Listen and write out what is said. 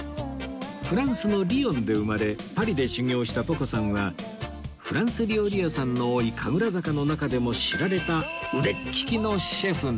フランスのリヨンで生まれパリで修業したポコさんはフランス料理屋さんの多い神楽坂の中でも知られた腕利きのシェフなんです